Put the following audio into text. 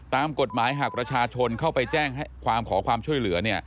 ตามกฎหมายหากประชาชนเข้าไปแจ้งความขอความช่วยเหลือ